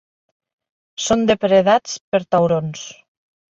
Són depredats per taurons.